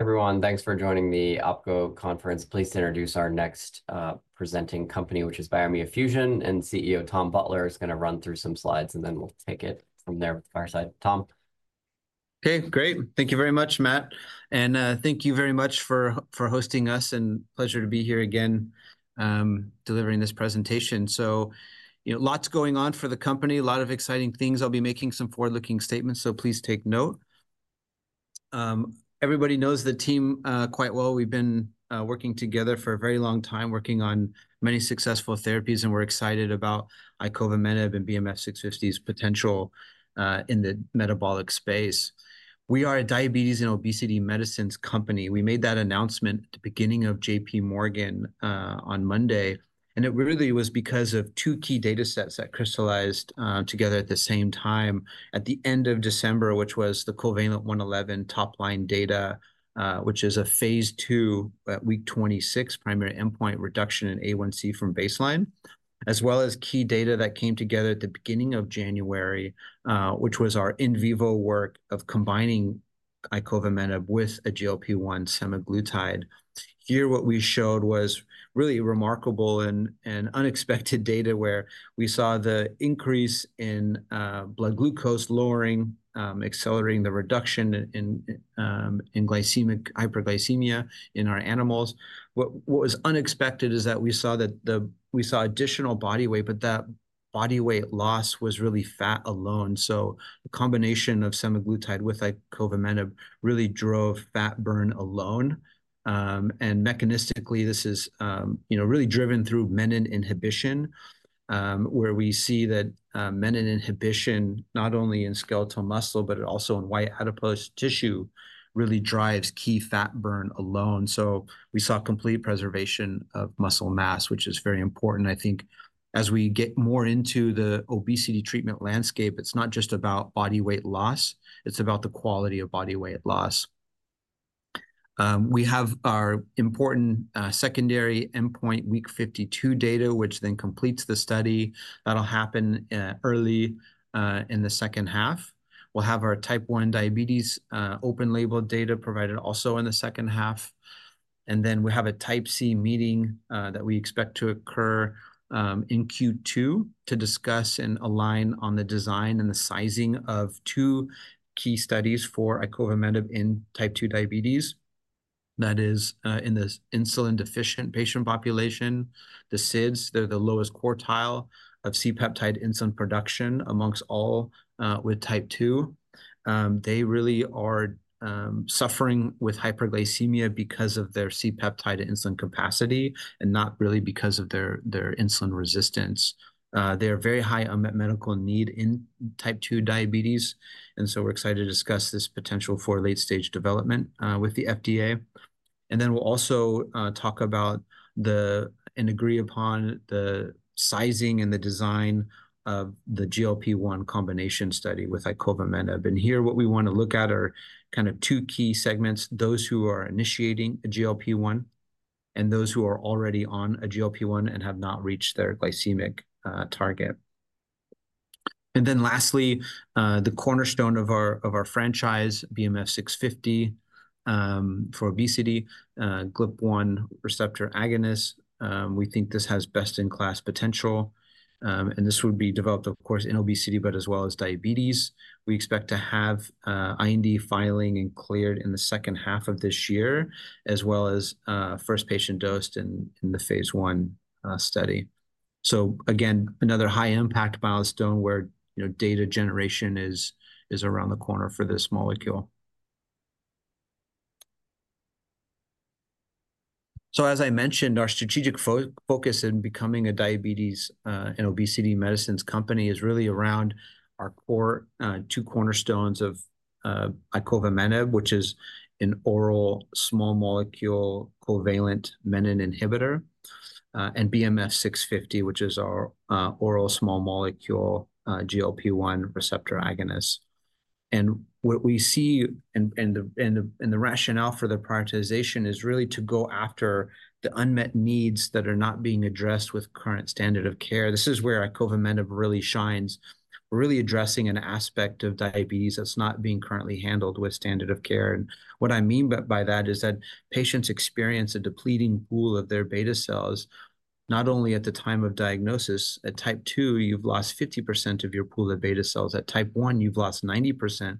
Everyone, thanks for joining the Opco Conference. Please introduce our next presenting company, which is Biomea Fusion, and CEO Tom Butler is going to run through some slides, and then we'll take it from there with the fireside. Tom. Okay, great. Thank you very much, Matt. Thank you very much for hosting us, and pleasure to be here again delivering this presentation. You know, lots going on for the company, a lot of exciting things. I'll be making some forward-looking statements, so please take note. Everybody knows the team quite well. We've been working together for a very long time, working on many successful therapies, and we're excited about Icovamenib and BMF-650's potential in the metabolic space. We are a diabetes and obesity medicines company. We made that announcement at the beginning of JPMorgan on Monday, and it really was because of two key data sets that crystallized together at the same time at the end of December, which was the COVALENT-111 top line data, which is a phase II, week 26, primary endpoint reduction in A1C from baseline, as well as key data that came together at the beginning of January, which was our in vivo work of combining Icovamenib with a GLP-1 semaglutide. Here, what we showed was really remarkable and unexpected data where we saw the increase in blood glucose lowering, accelerating the reduction in glycemic hyperglycemia in our animals. What was unexpected is that we saw additional body weight, but that body weight loss was really fat alone. A combination of semaglutide with Icovamenib really drove fat burn alone. Mechanistically, this is, you know, really driven through menin inhibition, where we see that menin inhibition, not only in skeletal muscle, but also in white adipose tissue, really drives key fat burn alone. We saw complete preservation of muscle mass, which is very important. I think as we get more into the obesity treatment landscape, it's not just about body weight loss, it's about the quality of body weight loss. We have our important secondary endpoint week 52 data, which then completes the study. That will happen early in the H2. We will have our type 1 diabetes open label data provided also in the H2. We have a type C meeting that we expect to occur in Q2 to discuss and align on the design and the sizing of two key studies for Icovamenib in type 2 diabetes. That is in the insulin deficient patient population, the SIDDs, they're the lowest quartile of C-peptide insulin production amongst all with type 2. They really are suffering with hyperglycemia because of their C-peptide insulin capacity and not really because of their insulin resistance. They are very high on medical need in type 2 diabetes. We are excited to discuss this potential for late stage development with the FDA. We will also talk about and agree upon the sizing and the design of the GLP-1 combination study with Icovamenib. Here, what we want to look at are kind of two key segments, those who are initiating a GLP-1 and those who are already on a GLP-1 and have not reached their glycemic target. Lastly, the cornerstone of our franchise, BMF-650 for obesity, GLP-1 receptor agonist. We think this has best in class potential. This would be developed, of course, in obesity, but as well as diabetes. We expect to have IND filing and cleared in the H2 of this year, as well as first patient dosed in the phase I study. Again, another high impact milestone where, you know, data generation is around the corner for this molecule. As I mentioned, our strategic focus in becoming a diabetes and obesity medicines company is really around our core two cornerstones of Icovamenib, which is an oral small molecule covalent menin inhibitor, and BMF-650, which is our oral small molecule GLP-1 receptor agonist. What we see and the rationale for the prioritization is really to go after the unmet needs that are not being addressed with current standard of care. This is where Icovamenib really shines. We're really addressing an aspect of diabetes that's not being currently handled with standard of care. What I mean by that is that patients experience a depleting pool of their beta cells, not only at the time of diagnosis. At type 2, you've lost 50% of your pool of beta cells. At type 1, you've lost 90%.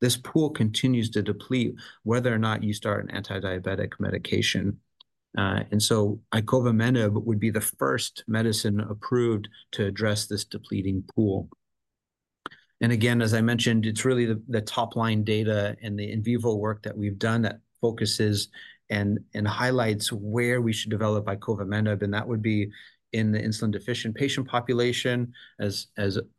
This pool continues to deplete whether or not you start an antidiabetic medication. Icovamenib would be the first medicine approved to address this depleting pool. Again, as I mentioned, it's really the top line data and the in vivo work that we've done that focuses and highlights where we should develop Icovamenib. That would be in the insulin deficient patient population as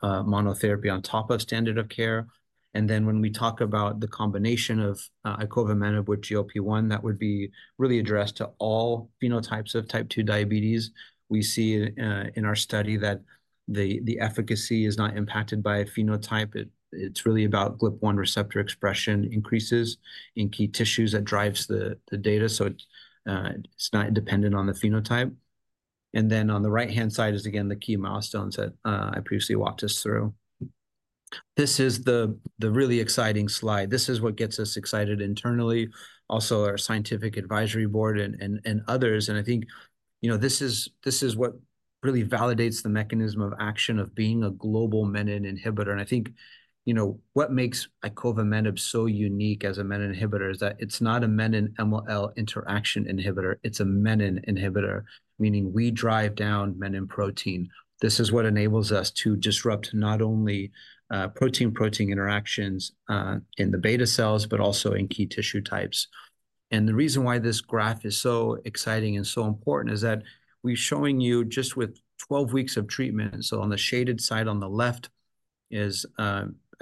monotherapy on top of standard of care. When we talk about the combination of Icovamenib with GLP-1, that would be really addressed to all phenotypes of type 2 diabetes. We see in our study that the efficacy is not impacted by a phenotype. It is really about GLP-1 receptor expression increases in key tissues that drives the data. It is not dependent on the phenotype. On the right-hand side is again the key milestones that I previously walked us through. This is the really exciting slide. This is what gets us excited internally, also our scientific advisory board and others. I think, you know, this is what really validates the mechanism of action of being a global menin inhibitor. I think, you know, what makes Icovamenib so unique as a menin inhibitor is that it is not a menin-MLL interaction inhibitor. It is a menin inhibitor, meaning we drive down menin protein. This is what enables us to disrupt not only protein-protein interactions in the beta cells, but also in key tissue types. The reason why this graph is so exciting and so important is that we're showing you just with 12 weeks of treatment. On the shaded side on the left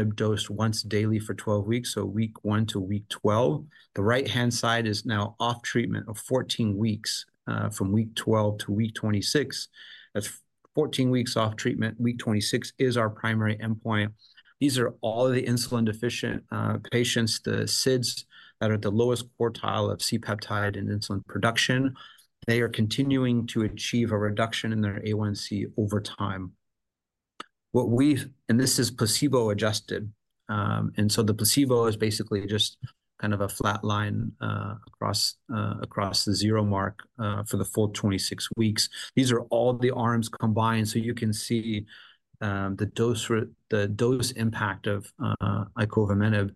is Icovamenib dosed once daily for 12 weeks, so week one to week 12. The right-hand side is now off treatment of 14 weeks from week 12 to week 26. That's 14 weeks off treatment. Week 26 is our primary endpoint. These are all of the insulin deficient patients, the SIDDs that are the lowest quartile of C-peptide and insulin production. They are continuing to achieve a reduction in their A1C over time. What we, and this is placebo adjusted. The placebo is basically just kind of a flat line across the zero mark for the full 26 weeks. These are all the arms combined. You can see the dose impact of Icovamenib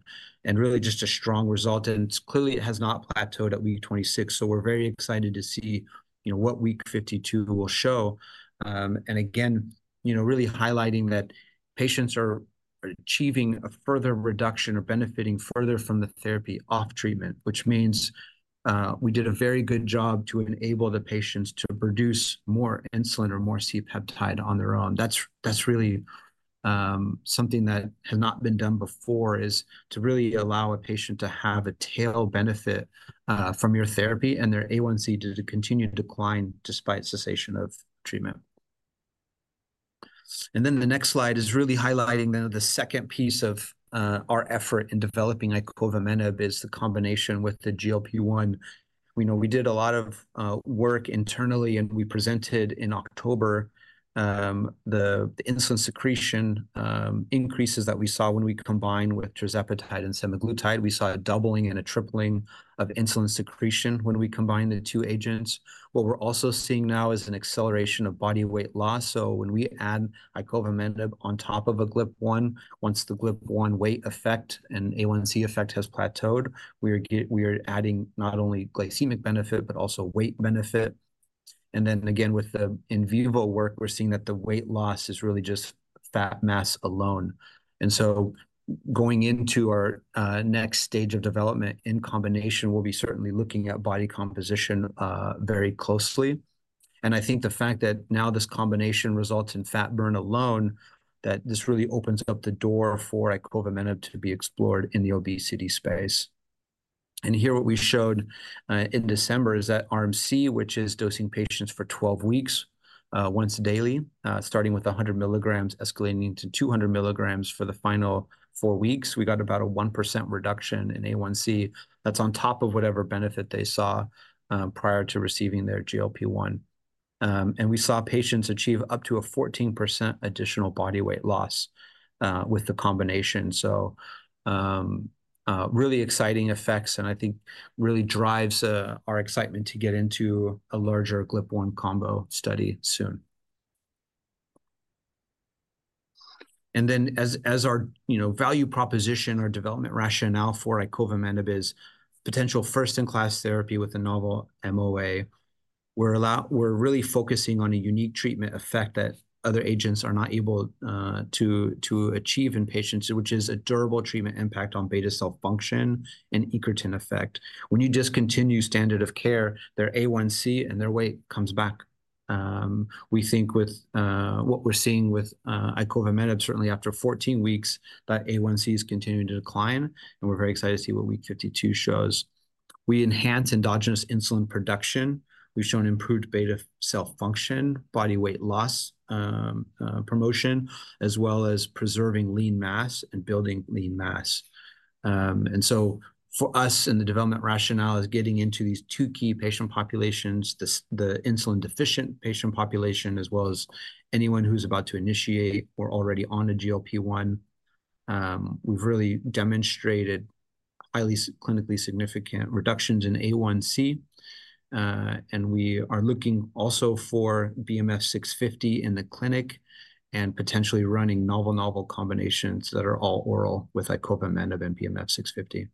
and really just a strong result. Clearly, it has not plateaued at week 26. We are very excited to see, you know, what week 52 will show. Again, you know, really highlighting that patients are achieving a further reduction or benefiting further from the therapy off treatment, which means we did a very good job to enable the patients to produce more insulin or more C-peptide on their own. That is really something that has not been done before, to really allow a patient to have a tail benefit from your therapy and their A1C to continue to decline despite cessation of treatment. The next slide is really highlighting the second piece of our effort in developing Icovamenib is the combination with the GLP-1. We did a lot of work internally, and we presented in October the insulin secretion increases that we saw when we combined with tirzepatide and semaglutide. We saw a doubling and a tripling of insulin secretion when we combined the two agents. What we're also seeing now is an acceleration of body weight loss. When we add Icovamenib on top of a GLP-1, once the GLP-1 weight effect and A1C effect has plateaued, we are adding not only glycemic benefit, but also weight benefit. Again, with the in vivo work, we're seeing that the weight loss is really just fat mass alone. Going into our next stage of development in combination, we'll be certainly looking at body composition very closely. I think the fact that now this combination results in fat burn alone, that this really opens up the door for Icovamenib to be explored in the obesity space. Here, what we showed in December is that Arm C, which is dosing patients for 12 weeks once daily, starting with 100 mg, escalating to 200 mg for the final four weeks, we got about a 1% reduction in A1C. That's on top of whatever benefit they saw prior to receiving their GLP-1. We saw patients achieve up to a 14% additional body weight loss with the combination. Really exciting effects, and I think really drives our excitement to get into a larger GLP-1 combo study soon. As our, you know, value proposition or development rationale for Icovamenib is potential first-in-class therapy with a novel MOA, we're really focusing on a unique treatment effect that other agents are not able to achieve in patients, which is a durable treatment impact on beta cell function and incretin effect. When you discontinue standard of care, their A1C and their weight comes back. We think with what we're seeing with Icovamenib, certainly after 14 weeks, that A1C is continuing to decline. We're very excited to see what week 52 shows. We enhance endogenous insulin production. We've shown improved beta cell function, body weight loss promotion, as well as preserving lean mass and building lean mass. For us, the development rationale is getting into these two key patient populations, the insulin deficient patient population, as well as anyone who's about to initiate or already on a GLP-1. We've really demonstrated highly clinically significant reductions in A1C. We are looking also for BMF-650 in the clinic and potentially running novel combinations that are all oral with Icovamenib and BMF-650.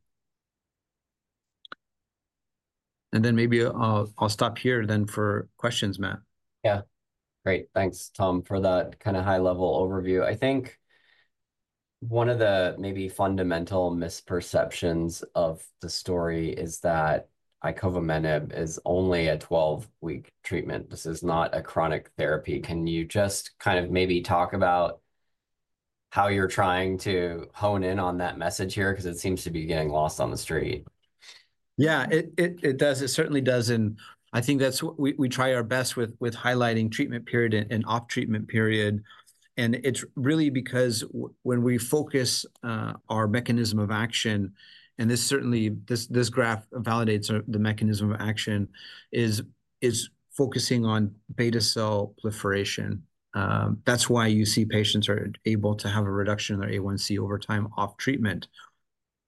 Maybe I'll stop here then for questions, Matt. Yeah. Great. Thanks, Tom, for that kind of high-level overview. I think one of the maybe fundamental misperceptions of the story is that Icovamenib is only a 12-week treatment. This is not a chronic therapy. Can you just kind of maybe talk about how you're trying to hone in on that message here? Because it seems to be getting lost on the street. Yeah, it does. It certainly doesn't. I think that's what we try our best with highlighting treatment period and off treatment period. It's really because when we focus our mechanism of action, and this certainly, this graph validates the mechanism of action, is focusing on beta cell proliferation. That's why you see patients are able to have a reduction in their A1C over time off treatment.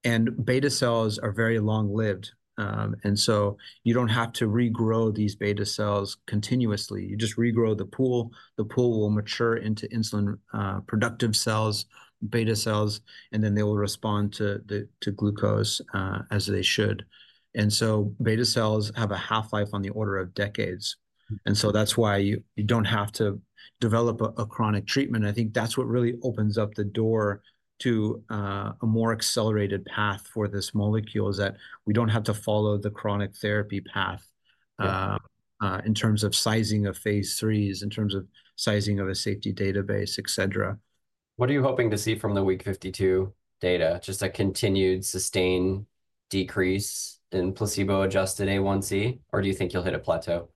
Beta cells are very long-lived. You don't have to regrow these beta cells continuously. You just regrow the pool. The pool will mature into insulin productive cells, beta cells, and then they will respond to glucose as they should. Beta cells have a half-life on the order of decades. That's why you don't have to develop a chronic treatment. I think that's what really opens up the door to a more accelerated path for this molecule is that we don't have to follow the chronic therapy path in terms of sizing of phase III, in terms of sizing of a safety database, et cetera. What are you hoping to see from the week 52 data? Just a continued sustained decrease in placebo adjusted A1C, or do you think you'll hit a plateau?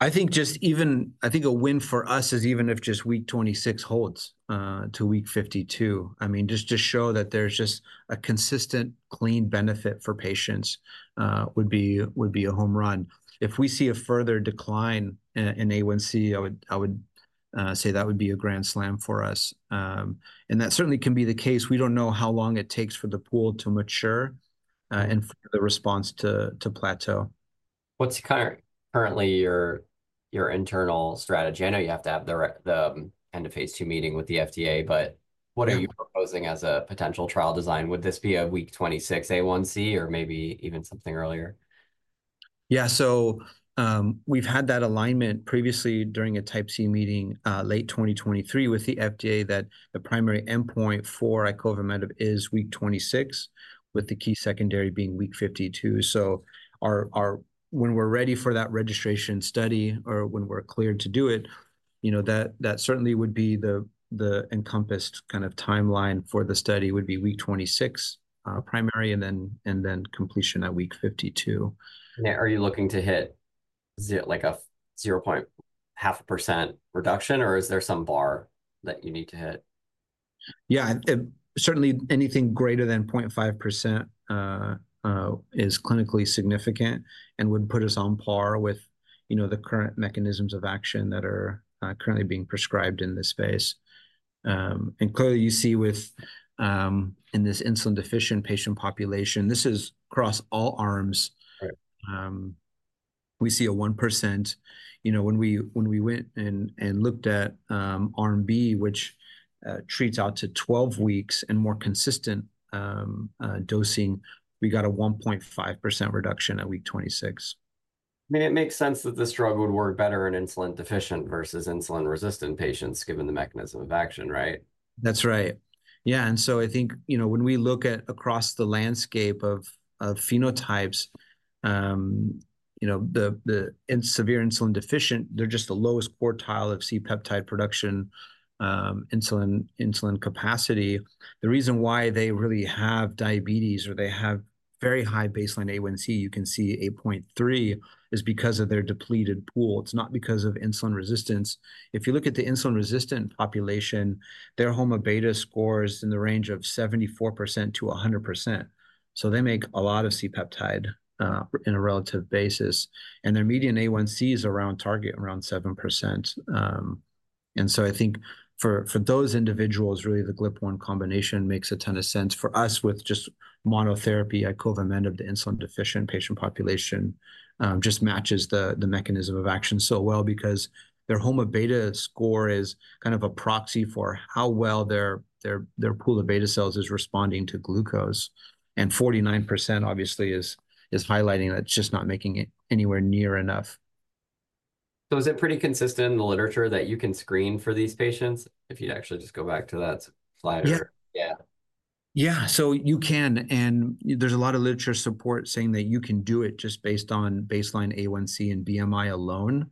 I think just even, I think a win for us is even if just week 26 holds to week 52. I mean, just to show that there's just a consistent clean benefit for patients would be a home run. If we see a further decline in A1C, I would say that would be a grand slam for us. That certainly can be the case. We don't know how long it takes for the pool to mature and for the response to plateau. What's currently your internal strategy? I know you have to have the end of phase II meeting with the FDA, but what are you proposing as a potential trial design? Would this be a week 26 A1C or maybe even something earlier? Yeah. We've had that alignment previously during a type C meeting late 2023 with the FDA that the primary endpoint for Icovamenib is week 26, with the key secondary being week 52. When we're ready for that registration study or when we're cleared to do it, you know, that certainly would be the encompassed kind of timeline for the study would be week 26 primary and then completion at week 52. Are you looking to hit like a 0.5% reduction, or is there some bar that you need to hit? Yeah, certainly anything greater than 0.5% is clinically significant and would put us on par with, you know, the current mechanisms of action that are currently being prescribed in this space. Clearly you see with, in this insulin deficient patient population, this is across all arms. We see a 1%, you know, when we went and looked at Arm B, which treats out to 12 weeks and more consistent dosing, we got a 1.5% reduction at week 26. I mean, it makes sense that this drug would work better in insulin deficient versus insulin resistant patients given the mechanism of action, right? That's right. Yeah. I think, you know, when we look at across the landscape of phenotypes, you know, the severe insulin deficient, they're just the lowest quartile of C-peptide production insulin capacity. The reason why they really have diabetes or they have very high baseline A1C, you can see 8.3, is because of their depleted pool. It's not because of insulin resistance. If you look at the insulin resistant population, their HOMA beta scores in the range of 74%-100%. They make a lot of C-peptide in a relative basis. Their median A1C is around target, around 7%. I think for those individuals, really the GLP-1 combination makes a ton of sense for us with just monotherapy Icovamenib of the insulin deficient patient population, just matches the mechanism of action so well because their HOMA beta score is kind of a proxy for how well their pool of beta cells is responding to glucose. And 49% obviously is highlighting that it's just not making it anywhere near enough. Is it pretty consistent in the literature that you can screen for these patients? If you actually just go back to that slide. Yeah. Yeah. You can. And there's a lot of literature support saying that you can do it just based on baseline A1C and BMI alone.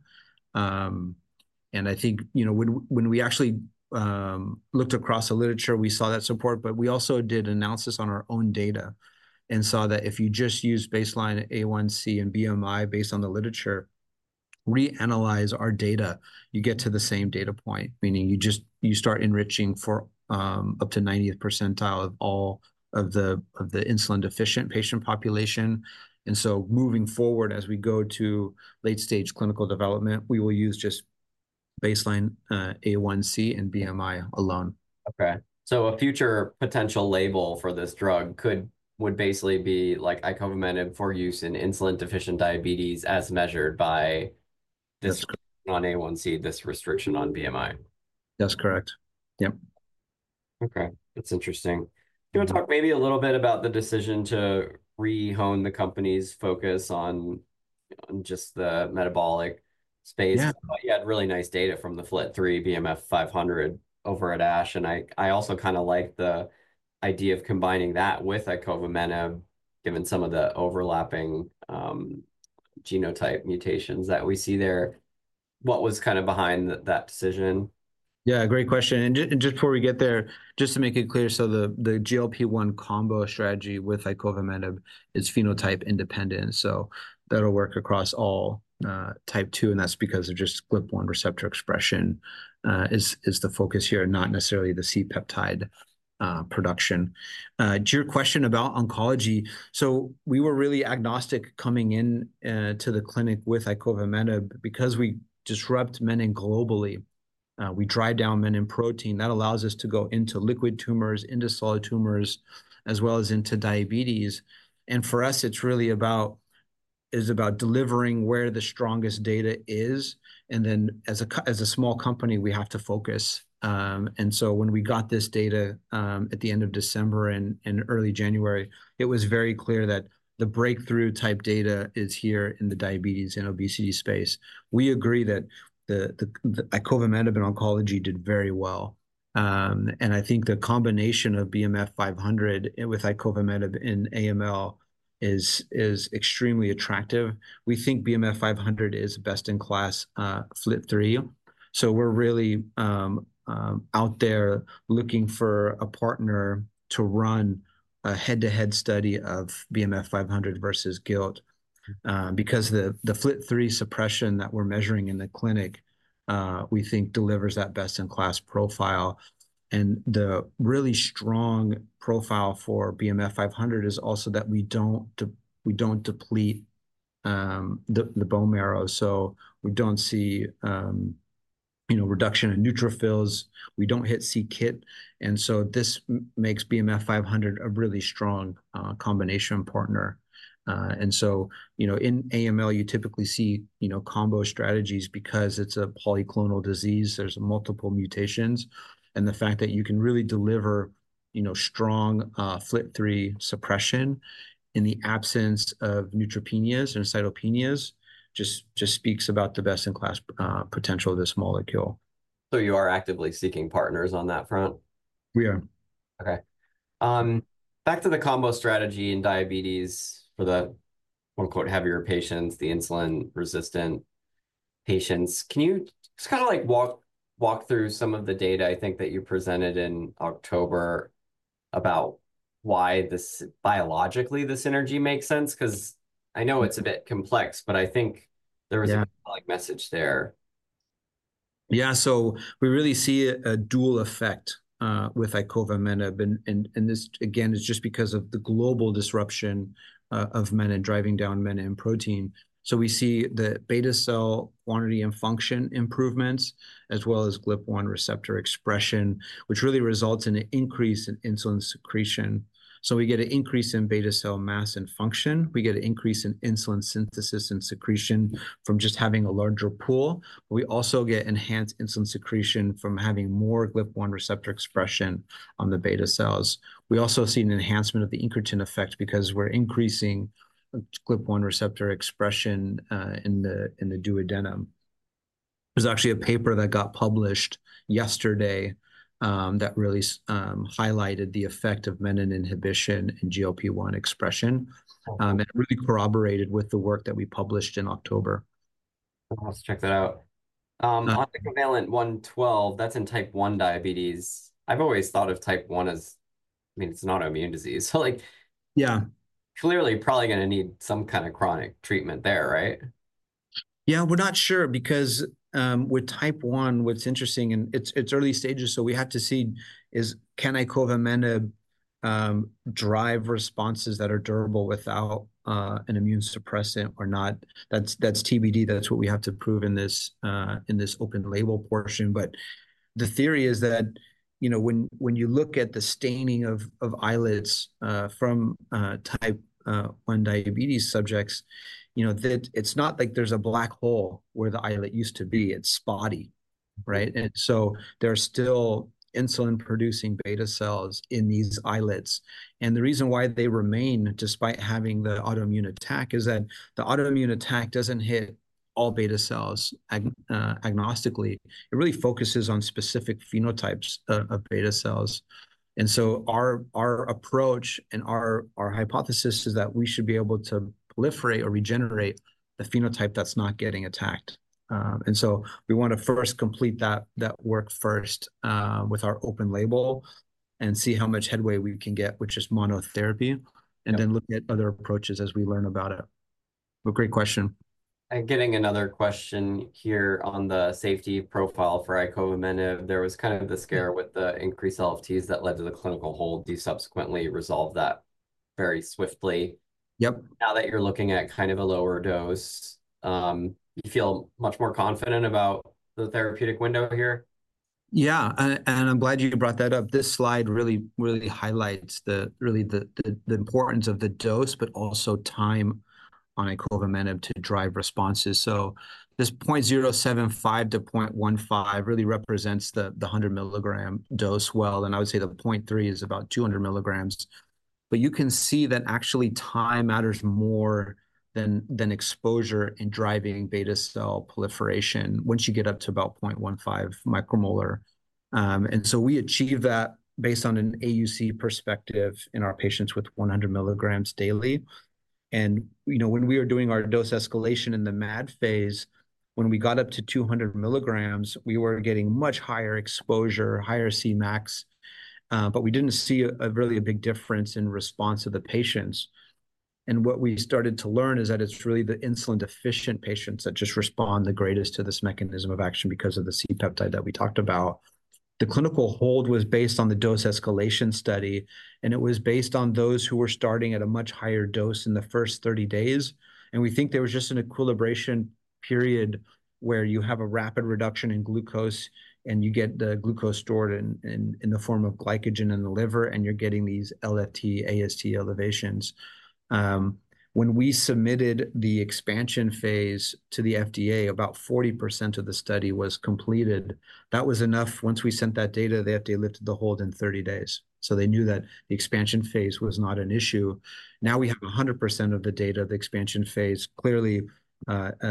I think, you know, when we actually looked across the literature, we saw that support, but we also did analysis on our own data and saw that if you just use baseline A1C and BMI based on the literature, reanalyze our data, you get to the same data point, meaning you just, you start enriching for up to 90th percentile of all of the insulin deficient patient population. Moving forward as we go to late-stage clinical development, we will use just baseline A1C and BMI alone. Okay. A future potential label for this drug could, would basically be like Icovamenib for use in insulin deficient diabetes as measured by this on A1C, this restriction on BMI? That's correct. Yep. Okay. That's interesting. Do you want to talk maybe a little bit about the decision to rehome the company's focus on just the metabolic space? Yeah. You had really nice data from the FLT3 BMF-500 over at ASH. I also kind of like the idea of combining that with Icovamenib given some of the overlapping genotype mutations that we see there. What was kind of behind that decision? Yeah. Great question. Just before we get there, just to make it clear, the GLP-1 combo strategy with Icovamenib is phenotype independent. That will work across all type 2. That is because just GLP-1 receptor expression is the focus here, not necessarily the C-peptide production. To your question about oncology, we were really agnostic coming into the clinic with Icovamenib because we disrupt menin globally. We drive down menin protein. That allows us to go into liquid tumors, into solid tumors, as well as into diabetes. For us, it is really about delivering where the strongest data is. As a small company, we have to focus. When we got this data at the end of December and early January, it was very clear that the breakthrough type data is here in the diabetes and obesity space. We agree that Icovamenib oncology did very well. I think the combination of BMF-500 with Icovamenib in AML is extremely attractive. We think BMF-500 is best in class FLT3. We are really out there looking for a partner to run a head-to-head study of BMF-500 versus gilt because the FLT3 suppression that we are measuring in the clinic, we think, delivers that best-in-class profile. The really strong profile for BMF-500 is also that we do not deplete the bone marrow. We do not see, you know, reduction in neutrophils. We do not hit c-KIT. This makes BMF-500 a really strong combination partner. You know, in AML, you typically see combo strategies because it is a polyclonal disease. There are multiple mutations. The fact that you can really deliver strong FLT3 suppression in the absence of neutropenias and cytopenias just speaks about the best-in-class potential of this molecule. You are actively seeking partners on that front? We are. Okay. Back to the combo strategy in diabetes for the "heavier patients," the insulin resistant patients. Can you just kind of like walk through some of the data, I think, that you presented in October about why this biologically the synergy makes sense? I know it is a bit complex, but I think there was a message there. Yeah. We really see a dual effect with Icovamenib. This, again, is just because of the global disruption of menin and driving down menin protein. We see the beta cell quantity and function improvements, as well as GLP-1 receptor expression, which really results in an increase in insulin secretion. We get an increase in beta cell mass and function. We get an increase in insulin synthesis and secretion from just having a larger pool. We also get enhanced insulin secretion from having more GLP-1 receptor expression on the beta cells. We also see an enhancement of the incretin effect because we're increasing GLP-1 receptor expression in the duodenum. There's actually a paper that got published yesterday that really highlighted the effect of menin inhibition and GLP-1 expression. It really corroborated with the work that we published in October. Let's check that out. On the COVALENT-112, that's in type 1 diabetes. I've always thought of type 1 as, I mean, it's an autoimmune disease. Like, yeah, clearly probably going to need some kind of chronic treatment there, right? Yeah, we're not sure because with type 1, what's interesting and it's early stages, so we have to see is can Icovamenib drive responses that are durable without an immune suppressant or not. That's TBD. That's what we have to prove in this open label portion. The theory is that, you know, when you look at the staining of islets from type 1 diabetes subjects, you know, it's not like there's a black hole where the islet used to be. It's spotty, right? There are still insulin-producing beta cells in these islets. The reason why they remain despite having the autoimmune attack is that the autoimmune attack doesn't hit all beta cells agnostically. It really focuses on specific phenotypes of beta cells. Our approach and our hypothesis is that we should be able to proliferate or regenerate the phenotype that's not getting attacked. We want to first complete that work first with our open label and see how much headway we can get, which is monotherapy, and then look at other approaches as we learn about it. Great question. Getting another question here on the safety profile for Icovamenib, there was kind of the scare with the increased LFTs that led to the clinical hold. You subsequently resolved that very swiftly? Yep. Now that you're looking at kind of a lower dose, you feel much more confident about the therapeutic window here? Yeah. I'm glad you brought that up. This slide really, really highlights the really the importance of the dose, but also time on Icovamenib to drive responses. This 0.075 to 0.15 really represents the 100 milligram dose well. I would say the 0.3 is about 200 mg. You can see that actually time matters more than exposure in driving beta cell proliferation once you get up to about 0.15 micromolar. We achieve that based on an AUC perspective in our patients with 100 mg daily. You know, when we were doing our dose escalation in the MAD phase, when we got up to 200 mg, we were getting much higher exposure, higher C max. We did not see really a big difference in response of the patients. What we started to learn is that it's really the insulin deficient patients that just respond the greatest to this mechanism of action because of the C-peptide that we talked about. The clinical hold was based on the dose escalation study, and it was based on those who were starting at a much higher dose in the first 30 days. We think there was just an equilibration period where you have a rapid reduction in glucose and you get the glucose stored in the form of glycogen in the liver, and you're getting these LFT, AST elevations. When we submitted the expansion phase to the FDA, about 40% of the study was completed. That was enough. Once we sent that data, the FDA lifted the hold in 30 days. They knew that the expansion phase was not an issue. Now we have 100% of the data, the expansion phase, clearly not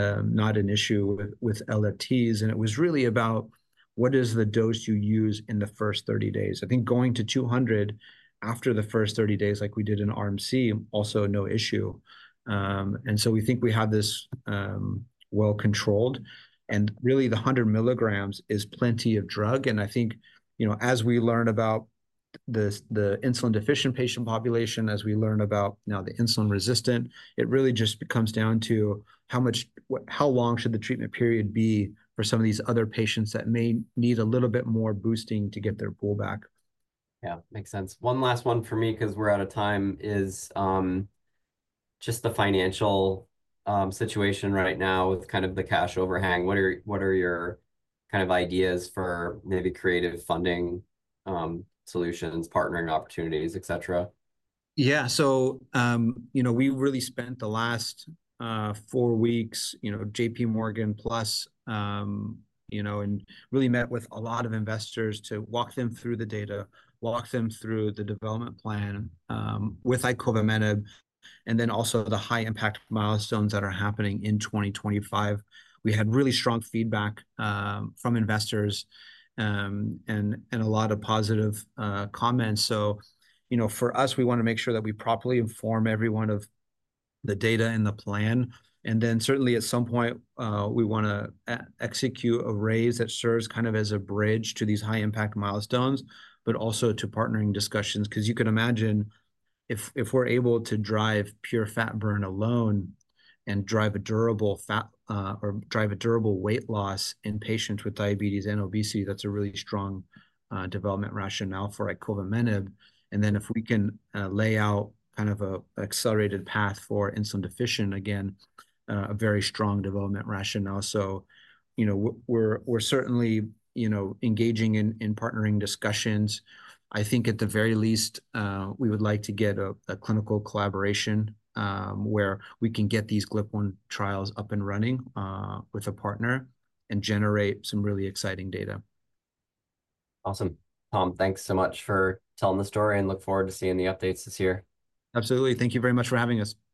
an issue with LFTs. It was really about what is the dose you use in the first 30 days. I think going to 200 after the first 30 days, like we did in Arm C, also no issue. We think we have this well controlled. Really, the 100 mg is plenty of drug. I think, you know, as we learn about the insulin deficient patient population, as we learn about now the insulin resistant, it really just comes down to how much, how long should the treatment period be for some of these other patients that may need a little bit more boosting to get their pool back. Yeah. Makes sense. One last one for me because we're out of time is just the financial situation right now with kind of the cash overhang. What are your kind of ideas for maybe creative funding solutions, partnering opportunities, etc.? Yeah. You know, we really spent the last four weeks, you know, JPMorgan Plus, you know, and really met with a lot of investors to walk them through the data, walk them through the development plan with Icovamenib and then also the high impact milestones that are happening in 2025. We had really strong feedback from investors and a lot of positive comments. You know, for us, we want to make sure that we properly inform everyone of the data and the plan. Certainly at some point, we want to execute a raise that serves kind of as a bridge to these high impact milestones, but also to partnering discussions. Because you can imagine if we're able to drive pure fat burn alone and drive a durable fat or drive a durable weight loss in patients with diabetes and obesity, that's a really strong development rationale for Icovamenib. If we can lay out kind of an accelerated path for insulin deficient, again, a very strong development rationale. You know, we're certainly, you know, engaging in partnering discussions. I think at the very least, we would like to get a clinical collaboration where we can get these GLP-1 trials up and running with a partner and generate some really exciting data. Awesome. Tom, thanks so much for telling the story and look forward to seeing the updates this year. Absolutely. Thank you very much for having us.